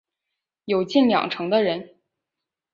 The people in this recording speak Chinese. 有近两成的人